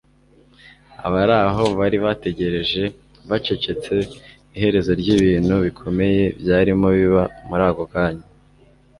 Abari aho bari bategereje bacecetse iherezo ry'ibintu bikomeye byarimo biba muri ako kanya.